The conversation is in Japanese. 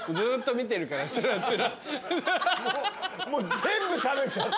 全部食べちゃって。